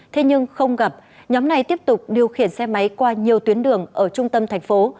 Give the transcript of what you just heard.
thế nhưng không gặp nhóm này tiếp tục điều khiển xe máy qua nhiều tuyến đường ở trung tâm thành phố